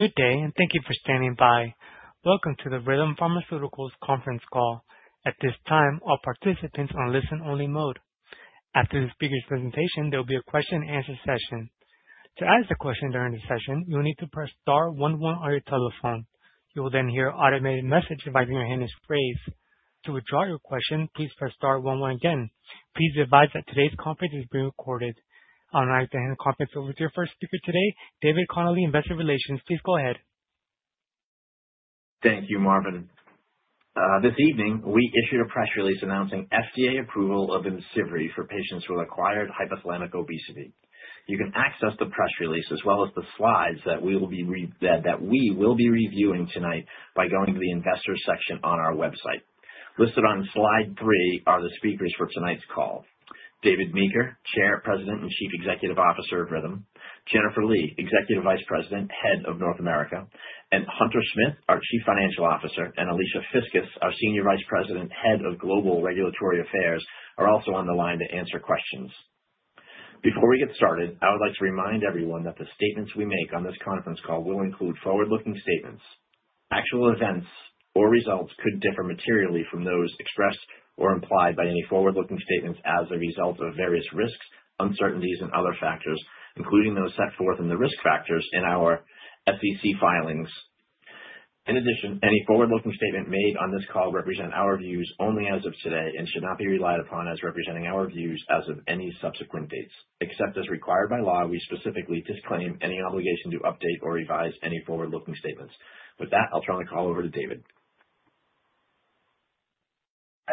Good day, and thank you for standing by. Welcome to the Rhythm Pharmaceuticals Conference Call. At this time, all participants are in listen-only mode. After the speaker's presentation, there will be a question-and-answer session. To ask a question during the session, you will need to press star one one on your telephone. You will then hear an automated message confirming that your hand is raised. To withdraw your question, please press star one one again. Please be advised that today's conference is being recorded. I would like to hand the conference over to your first speaker today, David Connolly, Investor Relations. Please go ahead. Thank you, Marvin. This evening, we issued a press release announcing FDA approval of IMCIVREE for patients with acquired hypothalamic obesity. You can access the press release as well as the slides that we will be reviewing tonight by going to the Investors section on our website. Listed on slide three are the speakers for tonight's call. David Meeker, Chair, President and Chief Executive Officer of Rhythm. Jennifer Lee, Executive Vice President, Head of North America, and Hunter Smith, our Chief Financial Officer, and Alicia Fiscus, our Senior Vice President, Head of Global Regulatory Affairs, are also on the line to answer questions. Before we get started, I would like to remind everyone that the statements we make on this conference call will include forward-looking statements. Actual events or results could differ materially from those expressed or implied by any forward-looking statements as a result of various risks, uncertainties and other factors, including those set forth in the Risk Factors in our SEC filings. In addition, any forward-looking statement made on this call represent our views only as of today and should not be relied upon as representing our views as of any subsequent dates. Except as required by law, we specifically disclaim any obligation to update or revise any forward-looking statements. With that, I'll turn the call over to David.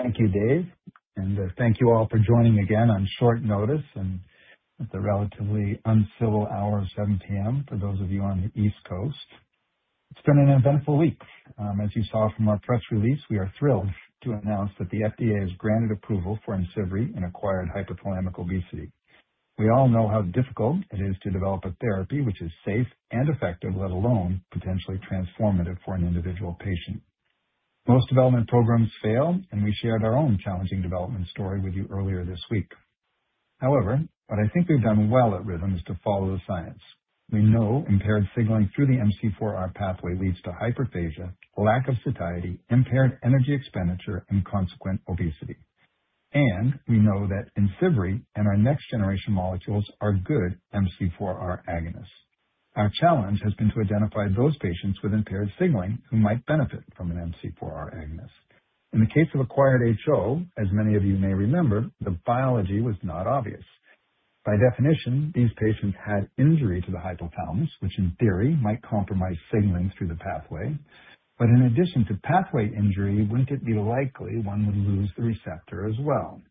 Thank you, Dave, and thank you all for joining again on short notice and at the relatively uncivil hour of 7:00 P.M. for those of you on the East Coast. It's been an eventful week. As you saw from our press release, we are thrilled to announce that the FDA has granted approval for IMCIVREE in acquired hypothalamic obesity. We all know how difficult it is to develop a therapy which is safe and effective, let alone potentially transformative for an individual patient. Most development programs fail, and we shared our own challenging development story with you earlier this week. However, what I think we've done well at Rhythm is to follow the science. We know impaired signaling through the MC4R pathway leads to hyperphagia, lack of satiety, impaired energy expenditure and consequent obesity. We know that IMCIVREE and our next generation molecules are good MC4R agonists. Our challenge has been to identify those patients with impaired signaling who might benefit from an MC4R agonist. In the case of acquired HO, as many of you may remember, the biology was not obvious. By definition, these patients had injury to the hypothalamus, which in theory might compromise signaling through the pathway. But in addition to pathway injury, wouldn't it be likely one would lose the receptor as well?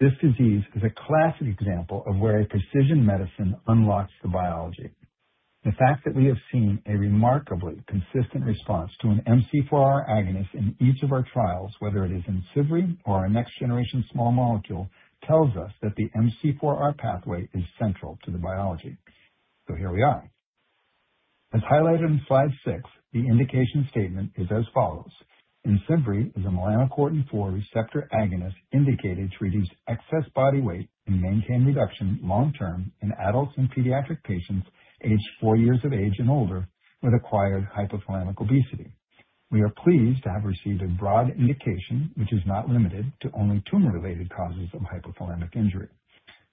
This disease is a classic example of where a precision medicine unlocks the biology. The fact that we have seen a remarkably consistent response to an MC4R agonist in each of our trials, whether it is IMCIVREE or our next generation small molecule, tells us that the MC4R pathway is central to the biology. Here we are. As highlighted in slide six, the indication statement is as follows: IMCIVREE is a Melanocortin-4 Receptor agonist indicated to reduce excess body weight and maintain reduction long-term in adults and pediatric patients aged four years of age and older with acquired hypothalamic obesity. We are pleased to have received a broad indication which is not limited to only tumor-related causes of hypothalamic injury.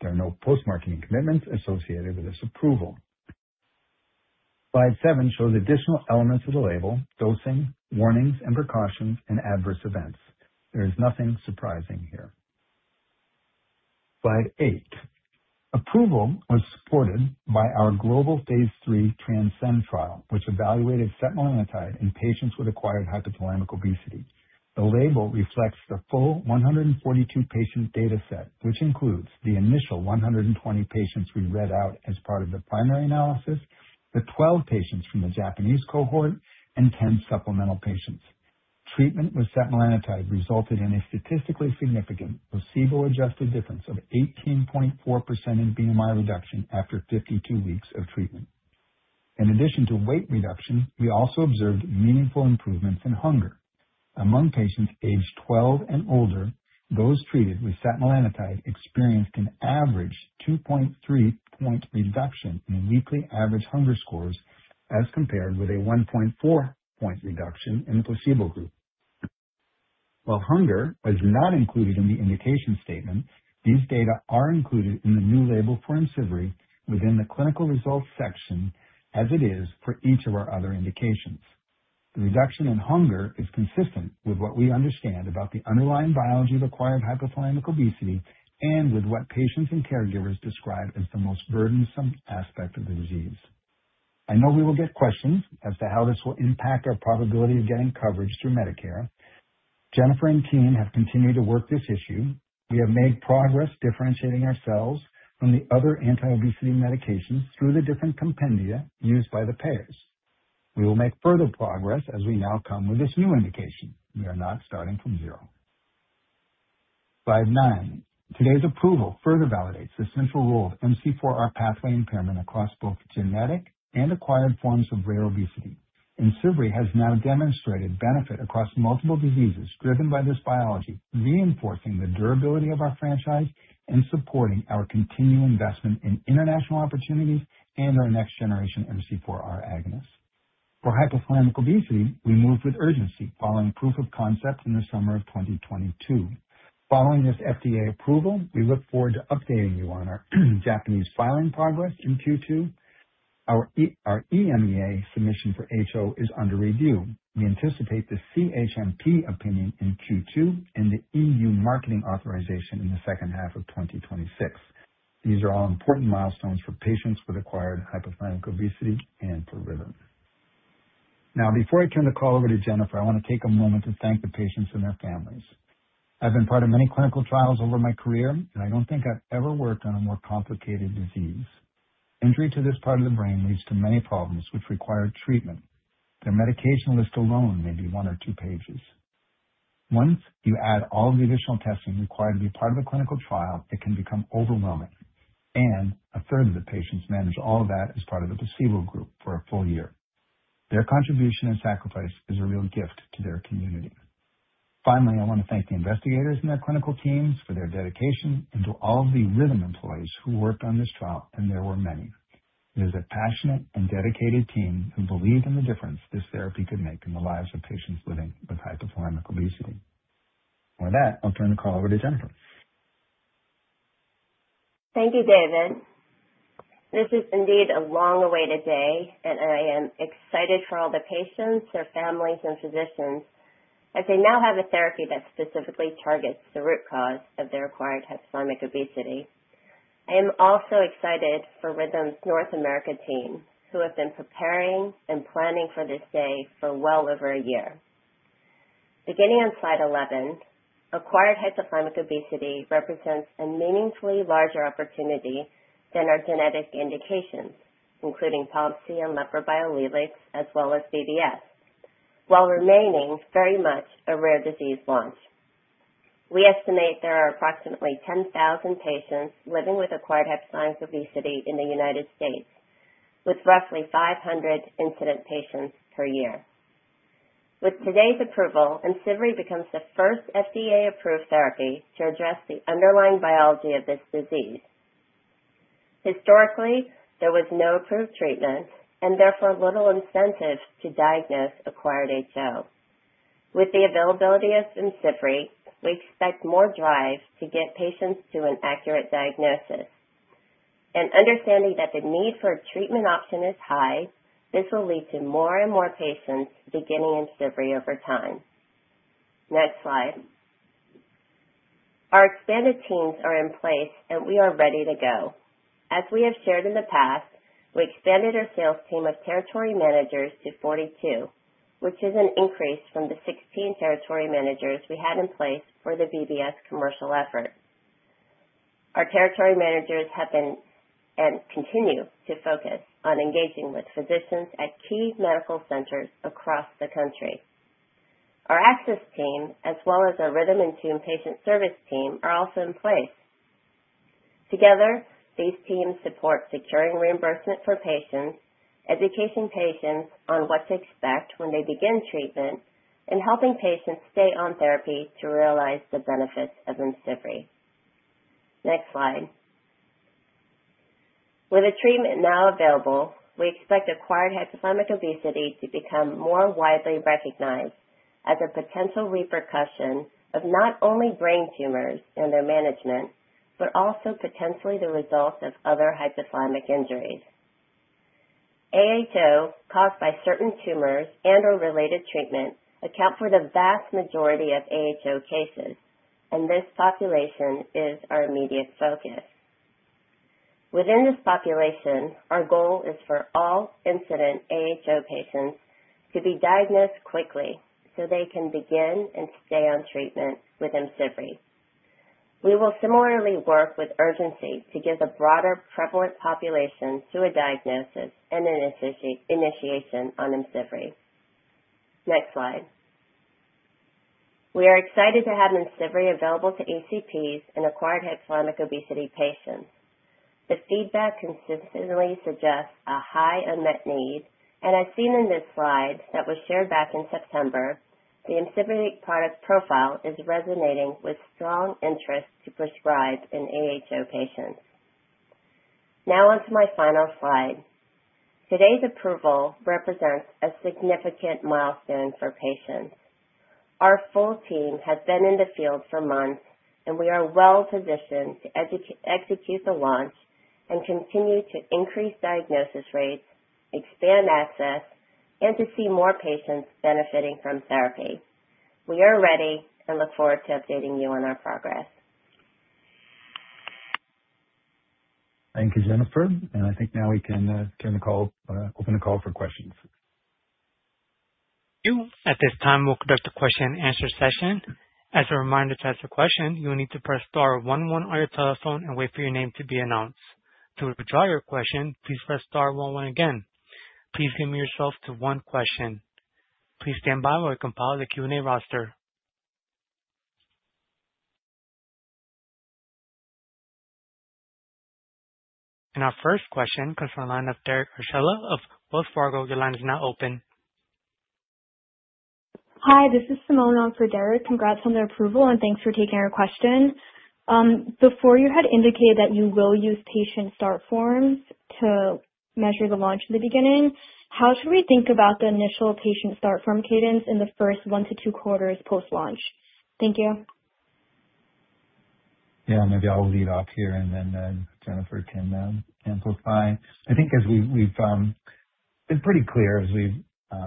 There are no post-marketing commitments associated with this approval. Slide seven shows additional elements of the label, dosing, warnings and precautions, and adverse events. There is nothing surprising here. Slide eight. Approval was supported by our global phase III TRANSCEND trial, which evaluated setmelanotide in patients with acquired hypothalamic obesity. The label reflects the full 142 patient data set, which includes the initial 120 patients we read out as part of the primary analysis, the 12 patients from the Japanese cohort, and 10 supplemental patients. Treatment with setmelanotide resulted in a statistically significant placebo adjusted difference of 18.4% in BMI reduction after 52 weeks of treatment. In addition to weight reduction, we also observed meaningful improvements in hunger. Among patients aged 12 and older, those treated with setmelanotide experienced an average 2.3-point reduction in weekly average hunger scores as compared with a 1.4-point reduction in the placebo group. While hunger is not included in the indication statement, these data are included in the new label for IMCIVREE within the clinical results section, as it is for each of our other indications. The reduction in hunger is consistent with what we understand about the underlying biology of acquired hypothalamic obesity and with what patients and caregivers describe as the most burdensome aspect of the disease. I know we will get questions as to how this will impact our probability of getting coverage through Medicare. Jennifer and team have continued to work this issue. We have made progress differentiating ourselves from the other anti-obesity medications through the different compendia used by the payers. We will make further progress as we now come with this new indication. We are not starting from zero. Slide nine. Today's approval further validates the central role of MC4R pathway impairment across both genetic and acquired forms of rare obesity. IMCIVREE has now demonstrated benefit across multiple diseases driven by this biology, reinforcing the durability of our franchise and supporting our continued investment in international opportunities and our next generation MC4R agonist. For hypothalamic obesity, we moved with urgency following proof of concept in the summer of 2022. Following this FDA approval, we look forward to updating you on our Japanese filing progress in Q2. Our EMEA submission for HO is under review. We anticipate the CHMP opinion in Q2 and the EU marketing authorization in the second half of 2026. These are all important milestones for patients with acquired hypothalamic obesity and for Rhythm. Now, before I turn the call over to Jennifer, I want to take a moment to thank the patients and their families. I've been part of many clinical trials over my career, and I don't think I've ever worked on a more complicated disease. Injury to this part of the brain leads to many problems which require treatment. Their medication list alone may be one or two pages. Once you add all the additional testing required to be part of a clinical trial, it can become overwhelming. A third of the patients manage all of that as part of the placebo group for a full year. Their contribution and sacrifice is a real gift to their community. Finally, I want to thank the investigators and their clinical teams for their dedication, and to all the Rhythm employees who worked on this trial, and there were many. It is a passionate and dedicated team who believed in the difference this therapy could make in the lives of patients living with hypothalamic obesity. With that, I'll turn the call over to Jennifer. Thank you, David. This is indeed a long-awaited day, and I am excited for all the patients, their families, and physicians, as they now have a therapy that specifically targets the root cause of their acquired hypothalamic obesity. I am also excited for Rhythm's North America team, who have been preparing and planning for this day for well over a year. Beginning on slide 11, acquired hypothalamic obesity represents a meaningfully larger opportunity than our genetic indications, including POMC and LEPR biallelic as well as BBS, while remaining very much a rare disease launch. We estimate there are approximately 10,000 patients living with acquired hypothalamic obesity in the United States, with roughly 500 incident patients per year. With today's approval, IMCIVREE becomes the first FDA-approved therapy to address the underlying biology of this disease. Historically, there was no approved treatment and therefore little incentive to diagnose acquired HO. With the availability of IMCIVREE, we expect more drive to get patients to an accurate diagnosis. Understanding that the need for a treatment option is high, this will lead to more and more patients beginning IMCIVREE over time. Next slide. Our expanded teams are in place, and we are ready to go. As we have shared in the past, we expanded our sales team of territory managers to 42, which is an increase from the 16 territory managers we had in place for the BBS commercial effort. Our territory managers have been and continue to focus on engaging with physicians at key medical centers across the country. Our access team, as well as our Rhythm InTune patient service team, are also in place. Together, these teams support securing reimbursement for patients, educating patients on what to expect when they begin treatment, and helping patients stay on therapy to realize the benefits of IMCIVREE. Next slide. With the treatment now available, we expect acquired hypothalamic obesity to become more widely recognized as a potential repercussion of not only brain tumors and their management, but also potentially the result of other hypothalamic injuries. AHO, caused by certain tumors and/or related treatment, account for the vast majority of AHO cases, and this population is our immediate focus. Within this population, our goal is for all incident AHO patients to be diagnosed quickly so they can begin and stay on treatment with IMCIVREE. We will similarly work with urgency to get the broader prevalent population to a diagnosis and an initiation on IMCIVREE. Next slide. We are excited to have IMCIVREE available to HCPs and acquired hypothalamic obesity patients. The feedback consistently suggests a high unmet need. As seen in this slide that was shared back in September, the IMCIVREE product profile is resonating with strong interest to prescribe in AHO patients. Now onto my final slide. Today's approval represents a significant milestone for patients. Our full team has been in the field for months, and we are well positioned to execute the launch and continue to increase diagnosis rates, expand access, and to see more patients benefiting from therapy. We are ready and look forward to updating you on our progress. Thank you, Jennifer, and I think now we can open the call for questions. At this time, we'll conduct a question-and-answer session. As a reminder, to ask a question, you will need to press star one one on your telephone and wait for your name to be announced. To withdraw your question, please press star one one again. Please limit yourself to one question. Please stand by while we compile the Q&A roster. Our first question comes from the line of Derek Archila of Wells Fargo. Your line is now open. Hi, this is Simone on for Derek. Congrats on the approval, and thanks for taking our question. Before you had indicated that you will use patient start forms to measure the launch in the beginning. How should we think about the initial patient start form cadence in the first one to two quarters post-launch? Thank you. Yeah. Maybe I'll lead off here, and then Jennifer can amplify. I think as we've been pretty clear as we've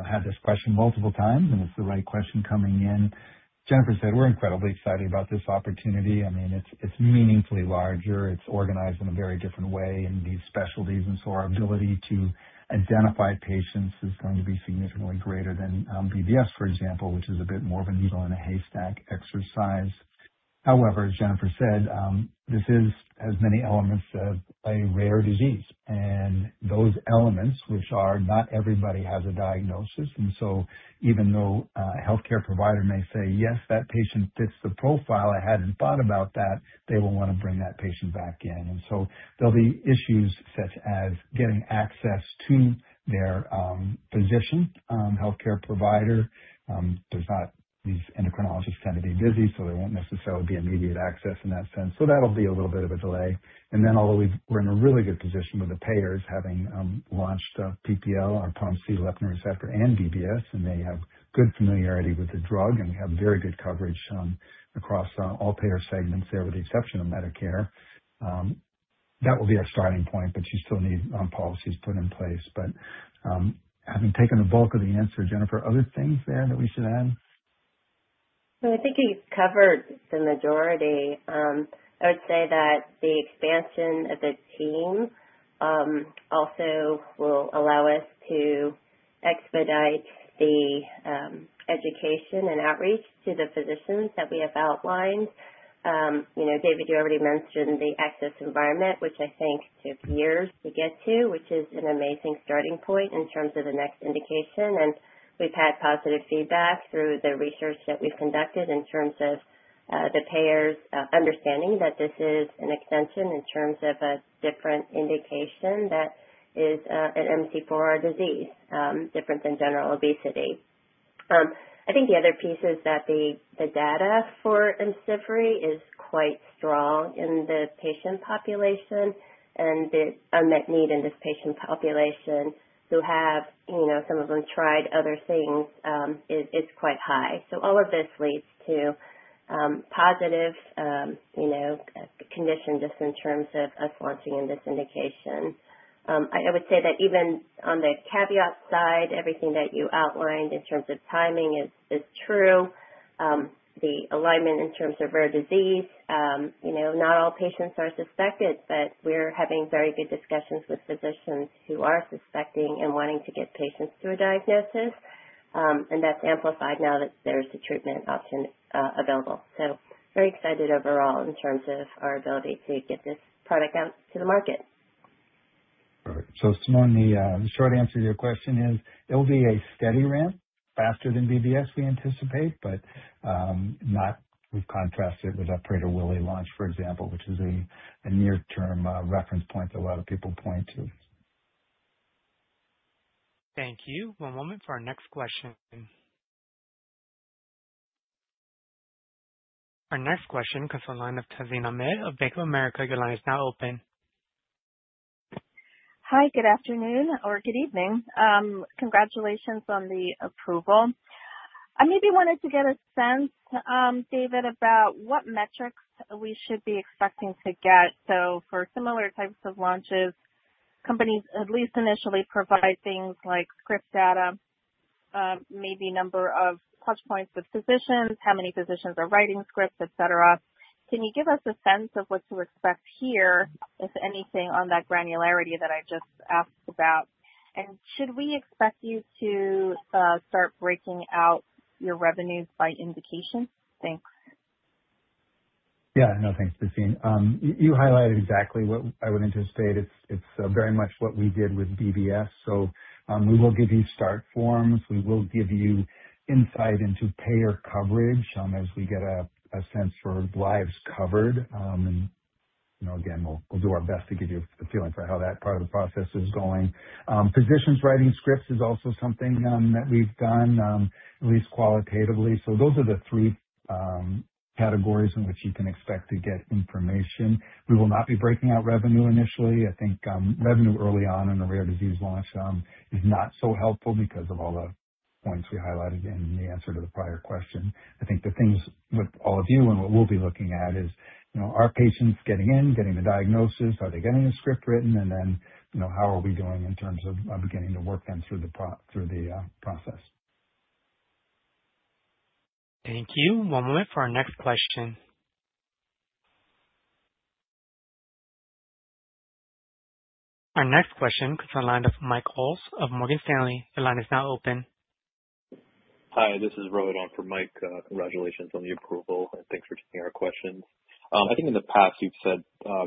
had this question multiple times, and it's the right question coming in. Jennifer said we're incredibly excited about this opportunity. I mean, it's meaningfully larger. It's organized in a very different way in these specialties. Our ability to identify patients is going to be significantly greater than BBS, for example, which is a bit more of a needle in a haystack exercise. However, as Jennifer said, this has many elements of a rare disease and those elements which are not everybody has a diagnosis. Even though a healthcare provider may say, "Yes, that patient fits the profile, I hadn't thought about that," they will wanna bring that patient back in. There'll be issues such as getting access to their physician, healthcare provider. These endocrinologists tend to be busy, so there won't necessarily be immediate access in that sense. That'll be a little bit of a delay. Although we're in a really good position with the payers having launched POMC/LEPR and BBS, and they have good familiarity with the drug, and we have very good coverage across all payer segments there with the exception of Medicare. That will be our starting point, but you still need policies put in place. Having taken the bulk of the answer, Jennifer, other things there that we should add? No, I think you covered the majority. I would say that the expansion of the team also will allow us to expedite the education and outreach to the physicians that we have outlined. You know, David, you already mentioned the access environment, which I think took years to get to, which is an amazing starting point in terms of the next indication. We've had positive feedback through the research that we've conducted in terms of the payers understanding that this is an extension in terms of a different indication that is an MC4R disease, different than general obesity. I think the other piece is that the data for IMCIVREE is quite strong in the patient population, and the unmet need in this patient population who have, you know, some of them tried other things, is quite high. All of this leads to positive, you know, conditions just in terms of us launching in this indication. I would say that even on the caveat side, everything that you outlined in terms of timing is true. The alignment in terms of rare disease, you know, not all patients are suspected, but we're having very good discussions with physicians who are suspecting and wanting to get patients through a diagnosis. That's amplified now that there's a treatment option available. Very excited overall in terms of our ability to get this product out to the market. Perfect. Simone, the short answer to your question is it will be a steady ramp, faster than BBS we anticipate, but not we've contrasted with obesity, too, Lilly launch, for example, which is a near-term reference point that a lot of people point to. Thank you. One moment for our next question. Our next question comes from the line of Tazeen Ahmad of Bank of America. Your line is now open. Hi, good afternoon or good evening. Congratulations on the approval. I maybe wanted to get a sense, David, about what metrics we should be expecting to get. For similar types of launches, companies at least initially provide things like script data, maybe number of touch points with physicians. How many physicians are writing scripts, et cetera. Can you give us a sense of what to expect here, if anything, on that granularity that I just asked about? Should we expect you to start breaking out your revenues by indication? Thanks. Yeah. No, thanks, Tazeen. You highlighted exactly what I would anticipate. It's very much what we did with BBS. So, we will give you start forms. We will give you insight into payer coverage, as we get a sense for lives covered. And you know, again, we'll do our best to give you a feeling for how that part of the process is going. Physicians writing scripts is also something that we've done, at least qualitatively. So those are the three categories in which you can expect to get information. We will not be breaking out revenue initially. I think, revenue early on in the rare disease launch, is not so helpful because of all the points we highlighted in the answer to the prior question. I think the things with all of you and what we'll be looking at is, you know, are patients getting in, getting the diagnosis, are they getting the script written? Then, you know, how are we doing in terms of, beginning to work them through the process. Thank you. One moment for our next question. Our next question comes from the line of Mike Ulz of Morgan Stanley. Your line is now open. Hi, this is Rohan for Mike. Congratulations on the approval, and thanks for taking our questions. I think in the past you've said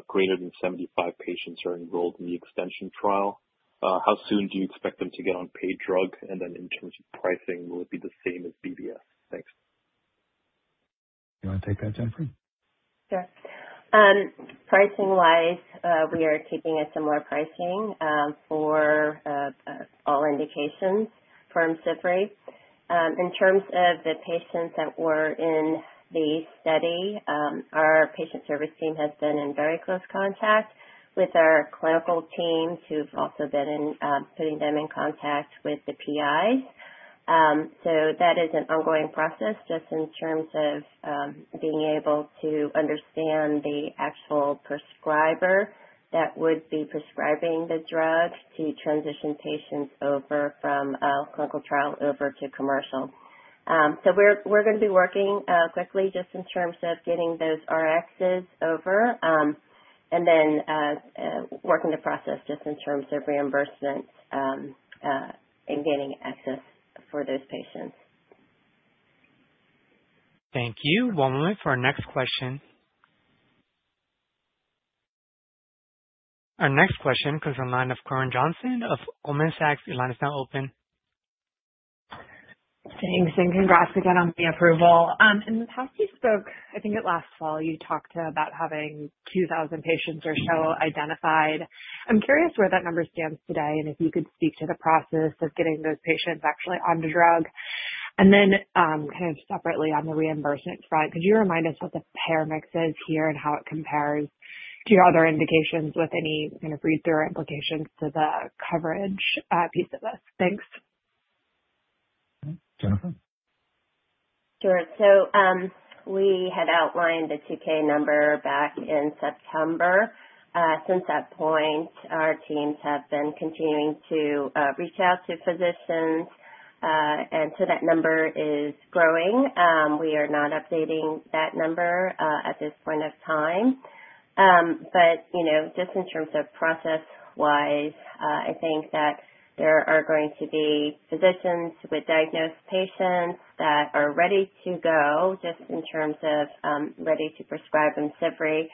greater than 75 patients are enrolled in the extension trial. How soon do you expect them to get on paid drug? And then in terms of pricing, will it be the same as BBS? Thanks. You want to take that, Jennifer? Sure. Pricing wise, we are keeping a similar pricing for all indications from Zepbound. In terms of the patients that were in the study, our patient service team has been in very close contact with our clinical teams who've also been putting them in contact with the PIs. That is an ongoing process just in terms of being able to understand the actual prescriber that would be prescribing the drug to transition patients over from clinical trial over to commercial. We're gonna be working quickly just in terms of getting those RX's over, and then working the process just in terms of reimbursements, and gaining access for those patients. Thank you. One moment for our next question. Our next question comes from the line of Corinne Johnson of Goldman Sachs. Your line is now open. Thanks, and congrats again on the approval. In the past you spoke, I think at last fall, you talked about having 2,000 patients or so identified. I'm curious where that number stands today, and if you could speak to the process of getting those patients actually on the drug. Kind of separately on the reimbursement front, could you remind us what the payer mix is here and how it compares to your other indications with any kind of read-through implications to the coverage piece of this? Thanks. Jennifer? Sure. We had outlined the 2K number back in September. Since that point, our teams have been continuing to reach out to physicians, and so that number is growing. We are not updating that number at this point of time. You know, just in terms of process-wise, I think that there are going to be physicians with diagnosed patients that are ready to go just in terms of ready to prescribe them IMCIVREE.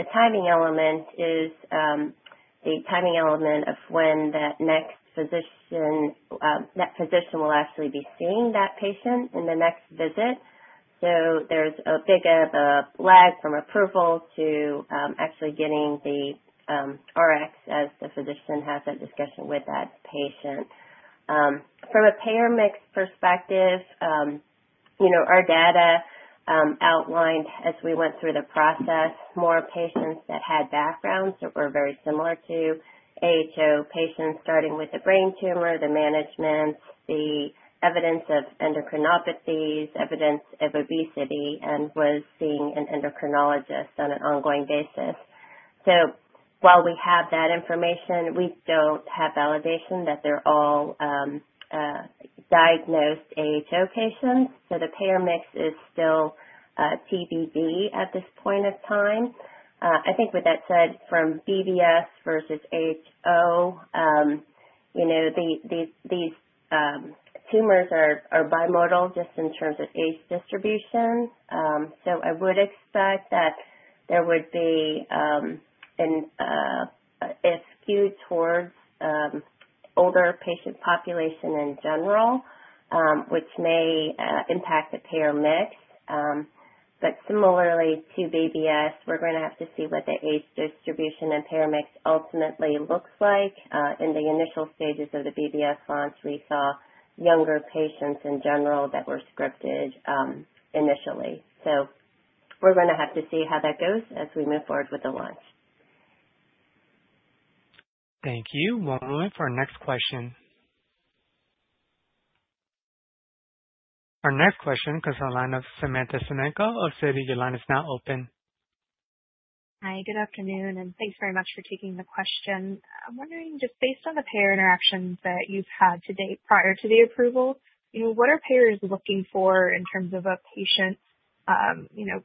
The timing element is of when that next physician will actually be seeing that patient in the next visit. There's a bit of a lag from approval to actually getting the RX as the physician has that discussion with that patient. From a payer mix perspective, you know, our data outlined as we went through the process more patients that had backgrounds that were very similar to HO patients, starting with the brain tumor, the management, the evidence of endocrinopathies, evidence of obesity, and was seeing an endocrinologist on an ongoing basis. While we have that information, we don't have validation that they're all diagnosed HO patients. The payer mix is still TBD at this point of time. I think with that said, from BBS versus HO, you know, these tumors are bimodal just in terms of age distribution. I would expect that there would be a skew towards older patient population in general, which may impact the payer mix. Similarly to BBS, we're going to have to see what the age distribution and payer mix ultimately looks like. In the initial stages of the BBS launch, we saw younger patients in general that were scripted, initially. We're gonna have to see how that goes as we move forward with the launch. Thank you. One moment for our next question. Our next question comes on the line of Samantha Semenkow of Citi. Your line is now open. Hi, good afternoon, and thanks very much for taking the question. I'm wondering, just based on the payer interactions that you've had to date prior to the approval, you know, what are payers looking for in terms of a patient's, you know,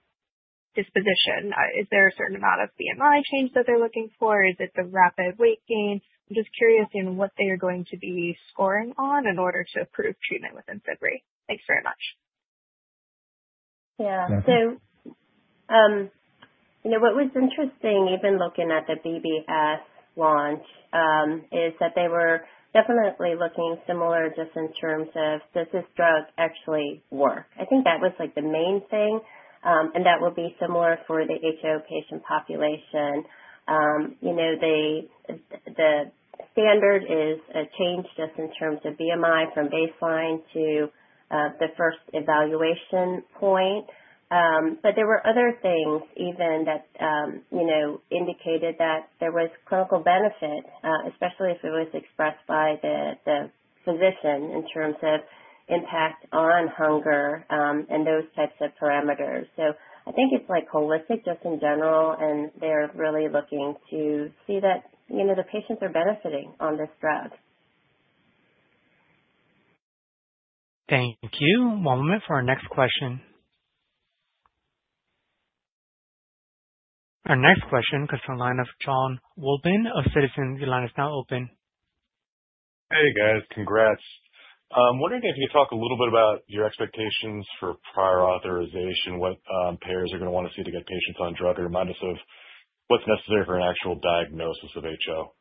disposition? Is there a certain amount of BMI change that they're looking for? Is it the rapid weight gain? I'm just curious in what they are going to be scoring on in order to approve treatment with IMCIVREE. Thanks very much. Yeah. Jennifer? You know, what was interesting, even looking at the BBS launch, is that they were definitely looking similar just in terms of, does this drug actually work? I think that was, like, the main thing. That will be similar for the HO patient population. You know, the standard is a change just in terms of BMI from baseline to the first evaluation point. There were other things even that, you know, indicated that there was clinical benefit, especially if it was expressed by the physician in terms of impact on hunger, and those types of parameters. I think it's, like, holistic just in general, and they're really looking to see that, you know, the patients are benefiting on this drug. Thank you. One moment for our next question. Our next question comes from the line of Jon Wolleben of Citizens. Your line is now open. Hey, guys. Congrats. I'm wondering if you could talk a little bit about your expectations for prior authorization, what payers are gonna wanna see to get patients on drug, or remind us of what's necessary for an actual diagnosis of HO.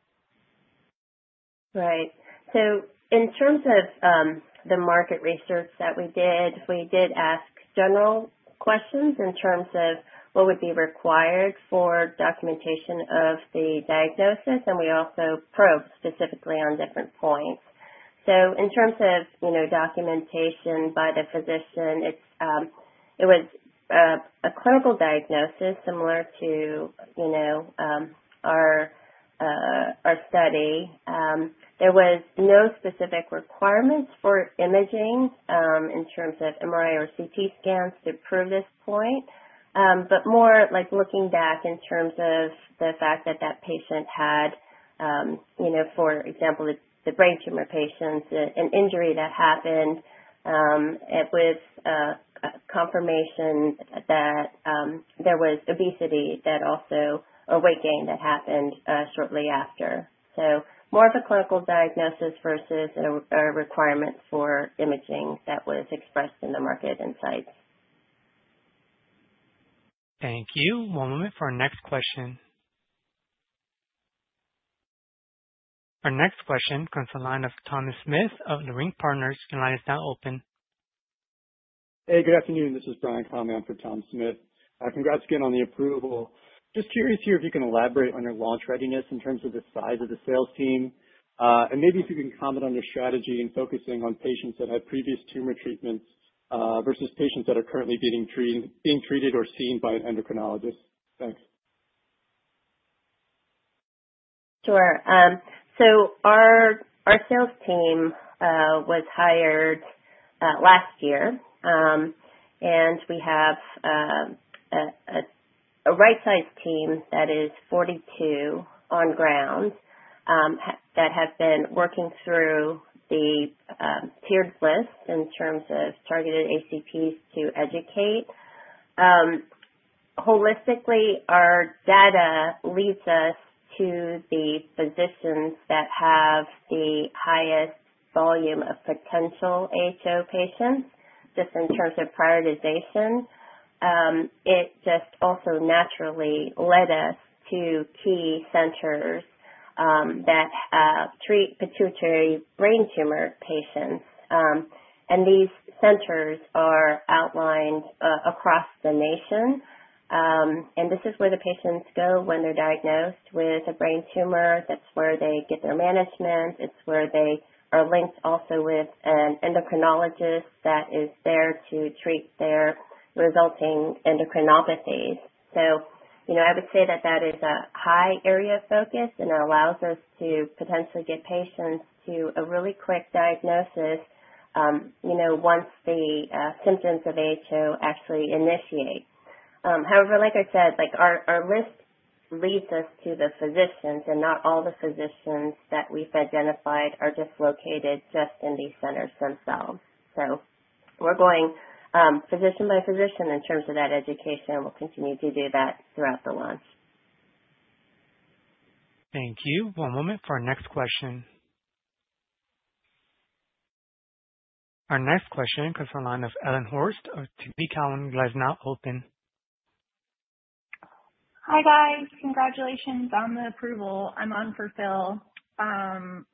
Right. In terms of the market research that we did, we did ask general questions in terms of what would be required for documentation of the diagnosis, and we also probed specifically on different points. In terms of, you know, documentation by the physician, it was a clinical diagnosis similar to, you know, our study. There was no specific requirements for imaging in terms of MRI or CT scans to prove this point. But more like looking back in terms of the fact that that patient had, you know, for example, the brain tumor patients, an injury that happened with confirmation that there was obesity that also or weight gain that happened shortly after. More of a clinical diagnosis versus a requirement for imaging that was expressed in the market insight. Thank you. One moment for our next question. Our next question comes from the line of Thomas Smith of Leerink Partners. Your line is now open. Hey, good afternoon. This is Brian Conley. I'm for Tom Smith. Congrats again on the approval. Just curious here if you can elaborate on your launch readiness in terms of the size of the sales team. And maybe if you can comment on your strategy in focusing on patients that have previous tumor treatments versus patients that are currently being treated or seen by an endocrinologist. Thanks. Sure. Our sales team was hired last year. We have a right size team that is 42 on ground that have been working through the tiered list in terms of targeted HCPs to educate. Holistically, our data leads us to the physicians that have the highest volume of potential HO patients, just in terms of prioritization. It just also naturally led us to key centers that treat pituitary brain tumor patients. These centers are outlined across the nation. This is where the patients go when they're diagnosed with a brain tumor. That's where they get their management. It's where they are linked also with an endocrinologist that is there to treat their resulting endocrinopathies. You know, I would say that is a high area of focus, and it allows us to potentially get patients to a really quick diagnosis, you know, once the symptoms of HO actually initiate. However, like I said, like, our list leads us to the physicians and not all the physicians that we've identified are just located just in these centers themselves. We're going physician by physician in terms of that education. We'll continue to do that throughout the launch. Thank you. One moment for our next question. Our next question comes from line of Ellen Horste of TD Cowen, your line's now open. Hi, guys. Congratulations on the approval. I'm on for Phil.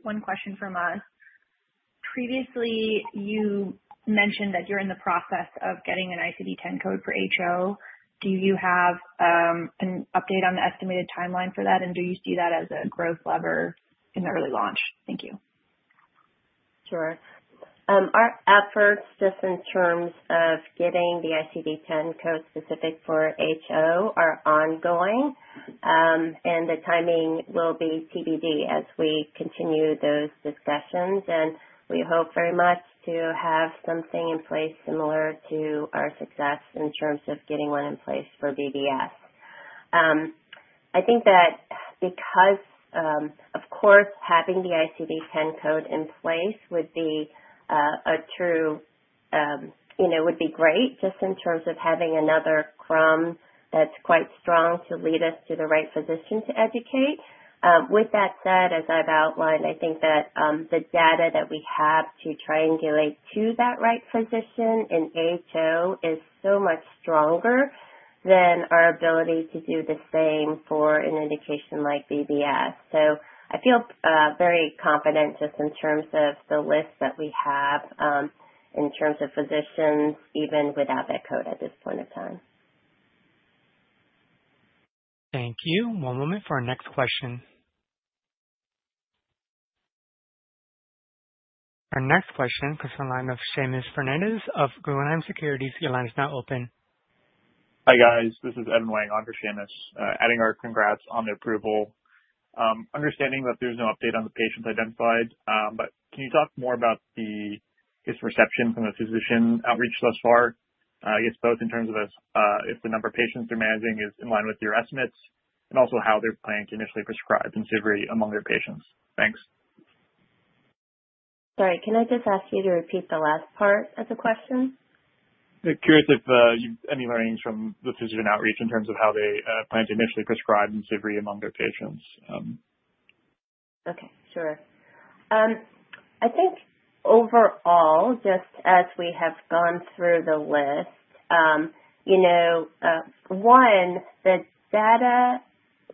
One question from us. Previously, you mentioned that you're in the process of getting an ICD-10 code for HO. Do you have an update on the estimated timeline for that? And do you see that as a growth lever in the early launch? Thank you. Sure. Our efforts just in terms of getting the ICD-10 code specific for HO are ongoing. The timing will be TBD as we continue those discussions, and we hope very much to have something in place similar to our success in terms of getting one in place for BBS. I think that because, of course, having the ICD-10 code in place would be. You know, would be great just in terms of having another crumb that's quite strong to lead us to the right physician to educate. With that said, as I've outlined, I think that the data that we have to triangulate to that right physician in HO is so much stronger than our ability to do the same for an indication like BBS. I feel very confident just in terms of the list that we have in terms of physicians, even without that code at this point in time. Thank you. One moment for our next question. Our next question comes from line of Seamus Fernandez of Guggenheim Securities. Your line is now open. Hi, guys. This is Evan Wang on for Seamus. Adding our congrats on the approval. Understanding that there's no update on the patients identified, but can you talk more about just reception from the physician outreach thus far? I guess both in terms of, if the number of patients they're managing is in line with your estimates and also how they're planning to initially prescribe IMCIVREE among their patients. Thanks. Sorry, can I just ask you to repeat the last part of the question? Yeah. Curious if you've any learnings from the physician outreach in terms of how they plan to initially prescribe IMCIVREE among their patients? Okay. Sure. I think overall, just as we have gone through the list, you know, one, the data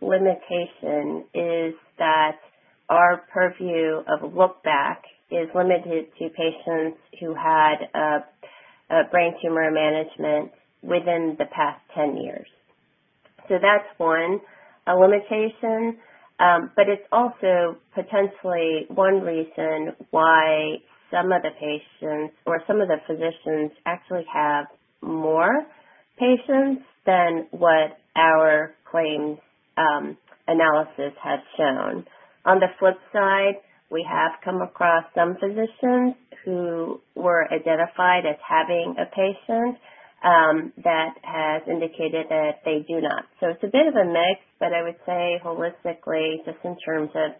limitation is that our purview of look back is limited to patients who had a brain tumor management within the past 10 years. That's one, a limitation. It's also potentially one reason why some of the patients or some of the physicians actually have more patients than what our claims analysis had shown. On the flip side, we have come across some physicians who were identified as having a patient that has indicated that they do not. It's a bit of a mix, but I would say holistically, just in terms of,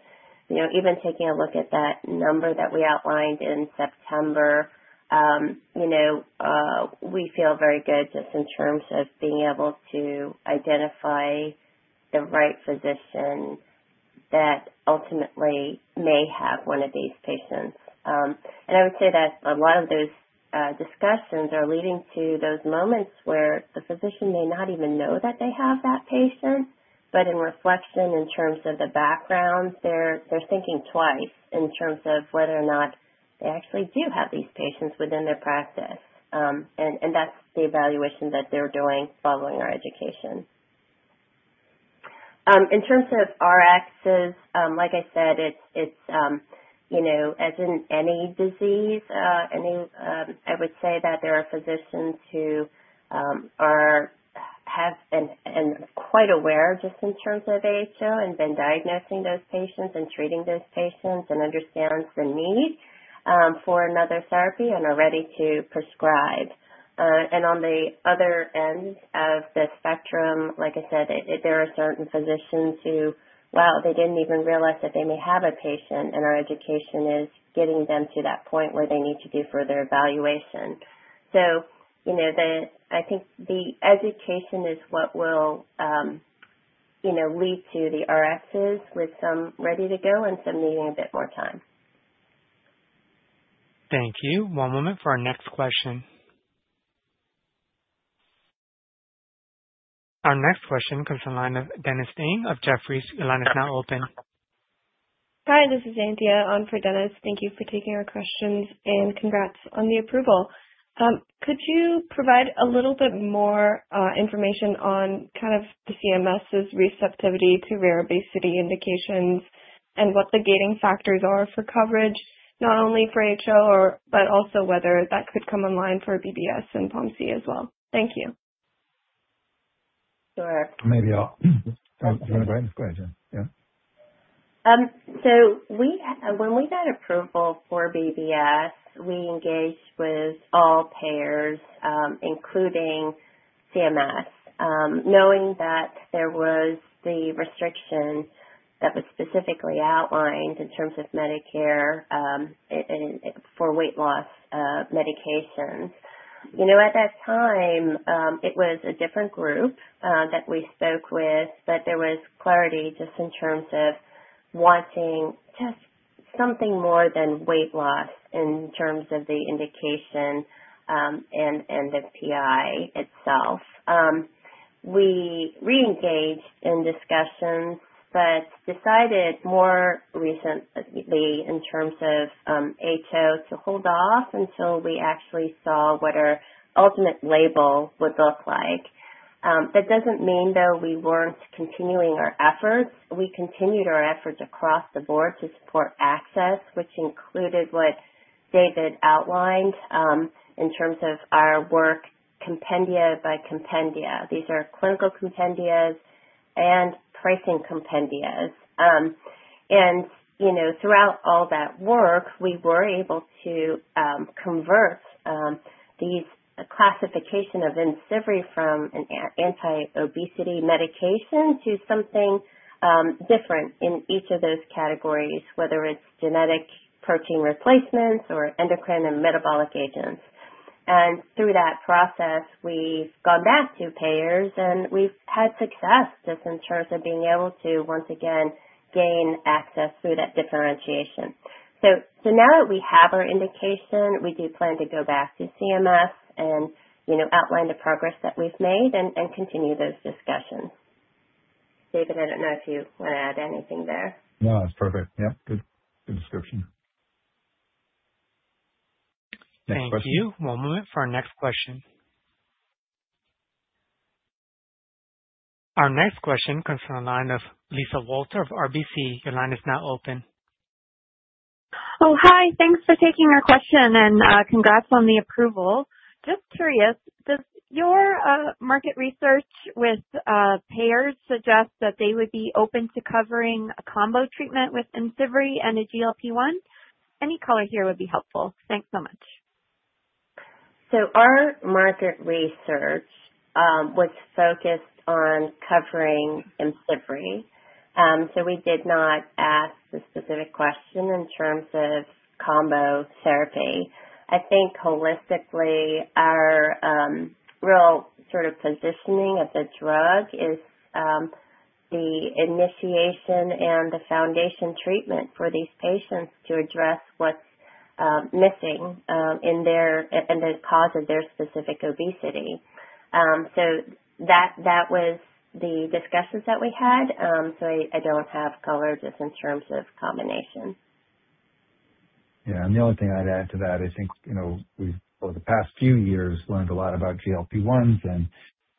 you know, even taking a look at that number that we outlined in September, we feel very good just in terms of being able to identify the right physician that ultimately may have one of these patients. I would say that a lot of those discussions are leading to those moments where the physician may not even know that they have that patient. But in reflection, in terms of the background, they're thinking twice in terms of whether or not they actually do have these patients within their practice. That's the evaluation that they're doing following our education. In terms of Rx's, like I said, it's you know, as in any disease, I would say that there are physicians who are aware and have been diagnosing those patients and treating those patients and understand the need for another therapy and are ready to prescribe. On the other end of the spectrum, like I said, there are certain physicians who, wow, they didn't even realize that they may have a patient. Our education is getting them to that point where they need to do further evaluation. You know, I think the education is what will lead to the Rx's, with some ready to go and some needing a bit more time. Thank you. One moment for our next question. Our next question comes from line of Dennis Ding of Jefferies. Your line is now open. Hi, this is Anthea on for Dennis. Thank you for taking our questions and congrats on the approval. Could you provide a little bit more information on kind of the CMS's receptivity to rare obesity indications and what the gating factors are for coverage not only for HO, but also whether that could come online for BBS and POMC as well. Thank you. Sure. Do you want to go ahead? Go ahead, yeah. When we got approval for BBS, we engaged with all payers, including CMS, knowing that there was the restriction that was specifically outlined in terms of Medicare, and for weight loss medications. You know, at that time, it was a different group that we spoke with, but there was clarity just in terms of wanting just something more than weight loss in terms of the indication, and the PI itself. We re-engaged in discussions, but decided more recently in terms of HO, to hold off until we actually saw what our ultimate label would look like. That doesn't mean, though, we weren't continuing our efforts. We continued our efforts across the board to support access, which included what David outlined, in terms of our work compendia by compendia. These are clinical compendias and pricing compendias. You know, throughout all that work, we were able to convert these classification of IMCIVREE from an anti-obesity medication to something different in each of those categories, whether it's genetic protein replacements or endocrine and metabolic agents. Through that process, we've gone back to payers, and we've had success just in terms of being able to once again gain access through that differentiation. Now that we have our indication, we do plan to go back to CMS and, you know, outline the progress that we've made and continue those discussions. David, I don't know if you want to add anything there. No, that's perfect. Yeah, good description. Next question. Thank you. One moment for our next question. Our next question comes from the line of Lisa Walter of RBC. Your line is now open. Oh, hi. Thanks for taking our question and, congrats on the approval. Just curious, does your market research with payers suggest that they would be open to covering a combo treatment with IMCIVREE and a GLP-1? Any color here would be helpful. Thanks so much. Our market research was focused on covering IMCIVREE. We did not ask the specific question in terms of combo therapy. I think holistically, our real sort of positioning of the drug is. The initiation and the foundation treatment for these patients to address what's missing in their and the cause of their specific obesity. That was the discussions that we had. I don't have color just in terms of combination. Yeah. The only thing I'd add to that, I think, you know, we've over the past few years learned a lot about GLP-1s and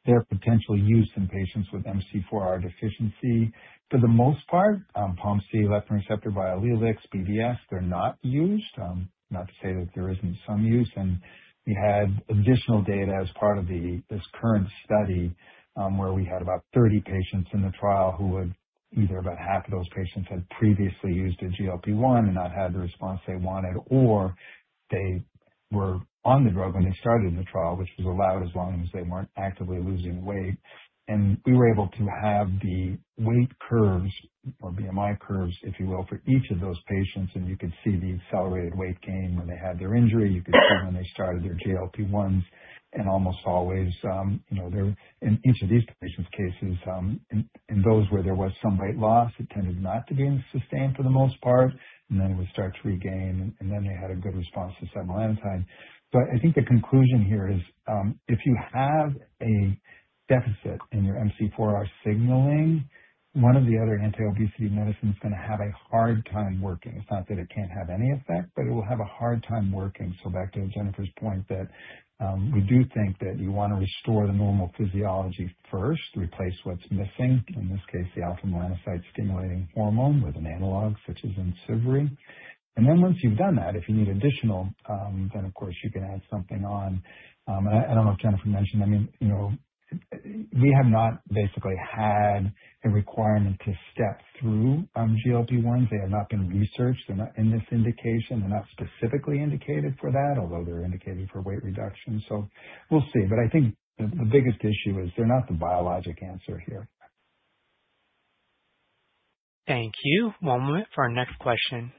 their potential use in patients with MC4R deficiency. For the most part, POMC leptin receptor bi-allelic BBS, they're not used. Not to say that there isn't some use. We had additional data as part of this current study, where we had about 30 patients in the trial who either about half of those patients had previously used a GLP-1 and not had the response they wanted, or they were on the drug when they started the trial, which was allowed as long as they weren't actively losing weight. We were able to have the weight curves or BMI curves, if you will, for each of those patients, and you could see the accelerated weight gain when they had their injury. You could see when they started their GLP-1s. Almost always, in each of these patients' cases, in those where there was some weight loss, it tended not to be sustained for the most part, and then it would start to regain, and then they had a good response to setmelanotide. I think the conclusion here is, if you have a deficit in your MC4R signaling, one of the other anti-obesity medicines is gonna have a hard time working. It's not that it can't have any effect, but it will have a hard time working. Back to Jennifer's point that we do think that you wanna restore the normal physiology first, replace what's missing, in this case, the alpha-melanocyte-stimulating hormone with an analog such as IMCIVREE. Then once you've done that, if you need additional, then of course you can add something on. I don't know if Jennifer mentioned, I mean, you know, we have not basically had a requirement to step through GLP-1s. They have not been researched. They're not in this indication. They're not specifically indicated for that, although they're indicated for weight reduction. We'll see. I think the biggest issue is they're not the biologic answer here. Thank you. One moment for our next question.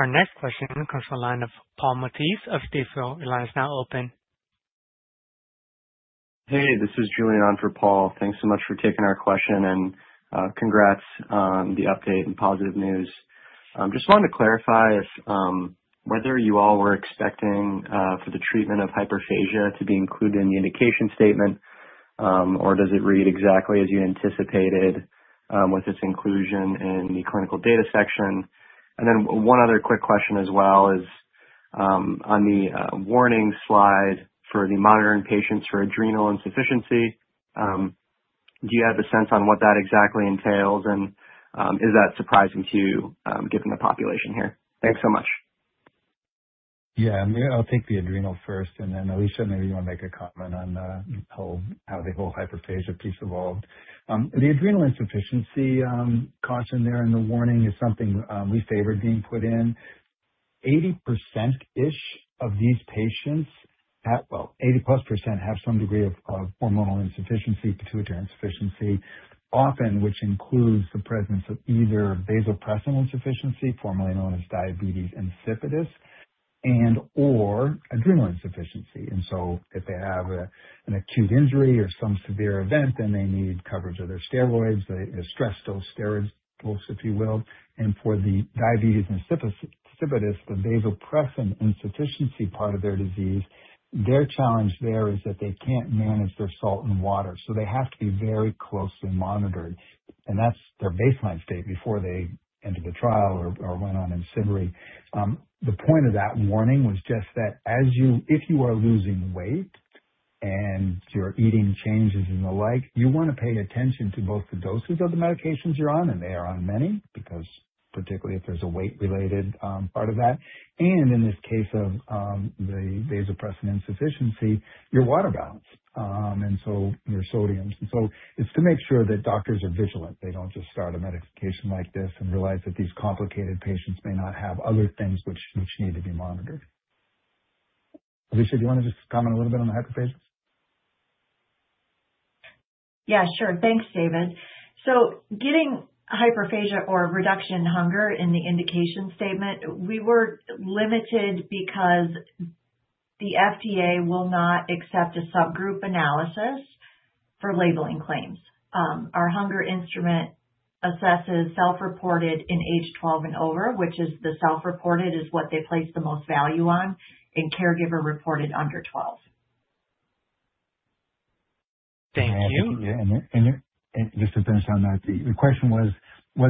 Our next question comes from the line of Paul Matteis of Stifel. Your line is now open. Hey, this is Julian on for Paul. Thanks so much for taking our question, and congrats on the update and positive news. Just wanted to clarify if whether you all were expecting for the treatment of hyperphagia to be included in the indication statement, or does it read exactly as you anticipated, with its inclusion in the clinical data section? Then one other quick question as well is on the warning slide for the monitoring patients for adrenal insufficiency, do you have a sense on what that exactly entails? Is that surprising to you, given the population here? Thanks so much. Yeah. I'll take the adrenal first, and then, Alicia, maybe you wanna make a comment on how the whole hyperphagia piece evolved. The adrenal insufficiency caution there in the warning is something we favored being put in. 80%-ish of these patients have 80%+ have some degree of hormonal insufficiency, pituitary insufficiency, often which includes the presence of either vasopressin insufficiency, formerly known as diabetes insipidus, and/or adrenal insufficiency. If they have an acute injury or some severe event, then they need coverage of their steroids, their stress dose steroids, if you will. For the diabetes insipidus, the vasopressin insufficiency part of their disease, their challenge there is that they can't manage their salt and water, so they have to be very closely monitored. That's their baseline state before they entered the trial or went on IMCIVREE. The point of that warning was just that as you if you are losing weight and your eating changes and the like, you wanna pay attention to both the doses of the medications you're on, and they are on many, because particularly if there's a weight-related part of that. In this case of the vasopressin insufficiency, your water balance and so your sodium. It's to make sure that doctors are vigilant. They don't just start a medication like this and realize that these complicated patients may not have other things which need to be monitored. Alicia, do you wanna just comment a little bit on the hyperphagia? Yeah, sure. Thanks, David. Getting hyperphagia or reduction in hunger in the indication statement, we were limited because the FDA will not accept a subgroup analysis for labeling claims. Our hunger instrument assesses self-reported in age 12 and over, which is the self-reported is what they place the most value on, and caregiver reported under 12. Thank you. Yeah. Just to finish on that, the question was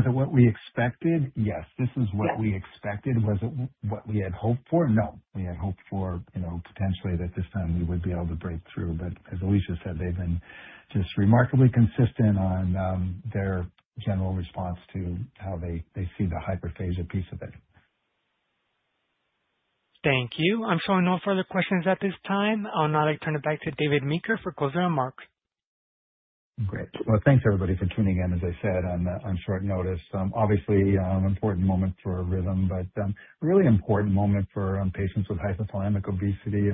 it what we expected? Yes. Yes. This is what we expected. Was it what we had hoped for? No. We had hoped for, you know, potentially that this time we would be able to break through. As Alicia said, they've been just remarkably consistent on their general response to how they see the hyperphagia piece of it. Thank you. I'm showing no further questions at this time. I'll now turn it back to David Meeker for closing remarks. Great. Well, thanks everybody for tuning in, as I said, on short notice. Obviously, an important moment for Rhythm, but a really important moment for patients with hypothalamic obesity.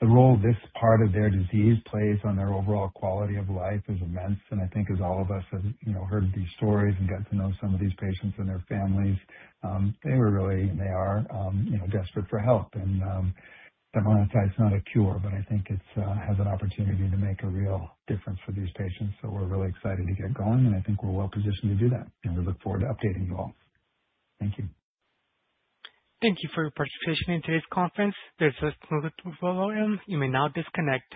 The role this part of their disease plays on their overall quality of life is immense. I think as all of us have, you know, heard these stories and gotten to know some of these patients and their families, they were really, and they are, you know, desperate for help. Setmelanotide is not a cure, but I think it has an opportunity to make a real difference for these patients. We're really excited to get going, and I think we're well positioned to do that. We look forward to updating you all. Thank you. Thank you for your participation in today's conference. There's just more to follow. You may now disconnect.